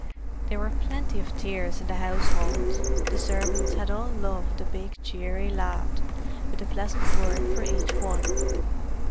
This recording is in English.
There were plenty of tears in the household: The servants had all loved the big cheery lad, with the pleasant word for each one.